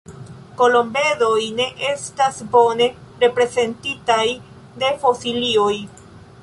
Kolombedoj ne estas bone reprezentitaj de fosilioj.